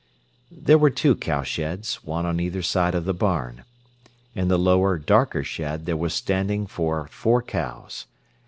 There were two cowsheds, one on either side of the barn. In the lower, darker shed there was standing for four cows.